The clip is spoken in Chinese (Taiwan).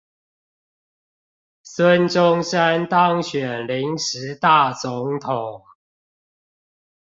孫中山當選臨時大總統